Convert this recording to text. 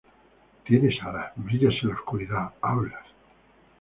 ¡ Tienes alas! ¡ brillas en la oscuridad! ¡ hablas!